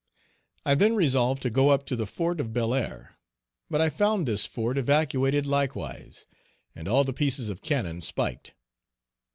I then resolved to go up to the Fort of Bel Air, but I found this fort evacuated likewise, and all the pieces of cannon spiked.